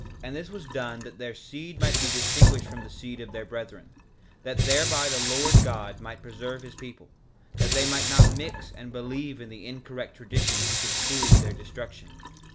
3:8 And this was done that their seed might be distinguished from the seed of their brethren, that thereby the Lord God might preserve his people, that they might not mix and believe in incorrect traditions which would prove their destruction.